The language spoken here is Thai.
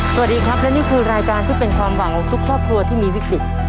สวัสดีครับและนี่คือรายการที่เป็นความหวังของทุกครอบครัวที่มีวิกฤต